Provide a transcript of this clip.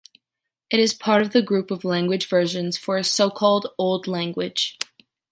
It is part of the group of language versions for a so-called old language.